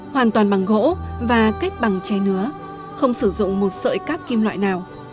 hoàn toàn bằng gỗ và kết bằng chai nứa không sử dụng một sợi cáp kim loại nào